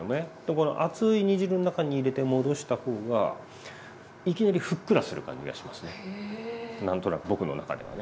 この熱い煮汁の中に入れて戻した方がいきなりふっくらする感じがしますね。